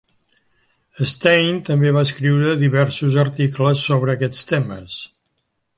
Stein també va escriure diversos articles sobre aquests temes.